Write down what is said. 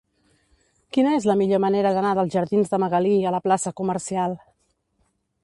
Quina és la millor manera d'anar dels jardins de Magalí a la plaça Comercial?